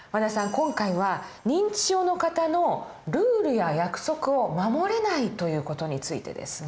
今回は認知症の方のルールや約束を守れないという事についてですね。